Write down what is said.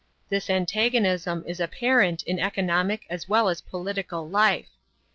This antagonism is apparent in economic as well as political life.